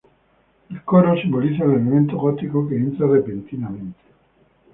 El coro simboliza el elemento gótico que entra repentinamente".